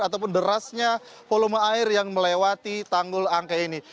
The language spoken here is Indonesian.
ataupun derasnya volume air yang melewati tanggul angke ini